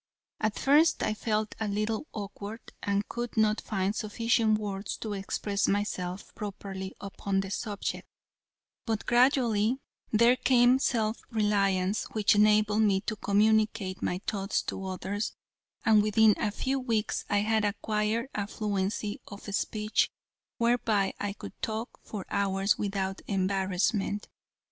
At first I felt a little awkward, and could not find sufficient words to express myself properly upon the subject, but gradually there came self reliance, which enabled me to communicate my thoughts to others, and within a few weeks I had acquired a fluency of speech whereby I could talk for hours without embarrassment.